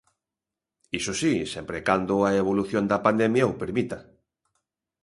Iso si, sempre e cando, a evolución da pandemia o permita.